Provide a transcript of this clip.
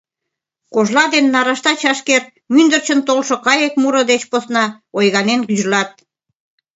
Кожла ден нарашта чашкер мӱндырчын толшо кайык муро деч посна ойганен гӱжлат.